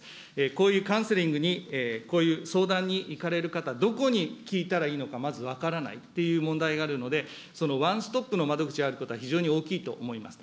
こういうカウンセリングに、こういう相談に行かれる方、どこに聞いたらいいのか、まず分からないっていう問題があるので、そのワンストップの窓口があることは非常に大きいと思います。